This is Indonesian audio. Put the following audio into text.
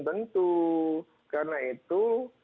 tentu karena itu